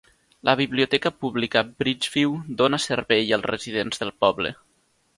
La Biblioteca pública Bridgeview dóna servei als residents del poble.